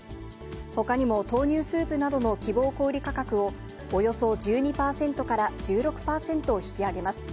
ほかにも豆乳スープなどの希望小売り価格をおよそ１２％から１６％引き上げます。